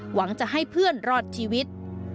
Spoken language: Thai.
หวังจะให้เพื่อนรอดชีวิต